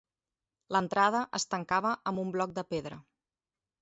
L'entrada es tancava amb un bloc de pedra.